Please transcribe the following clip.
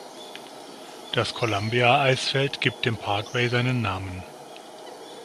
Das Columbia-Eisfeld gibt dem Parkway seinen Namen.